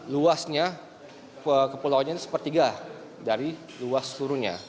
luasnya kepulauannya ini sepertiga dari luas seluruhnya